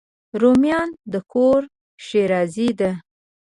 رومیان د کور ښېرازي ده